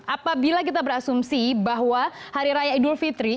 apabila kita berasumsi bahwa hari raya idul fitri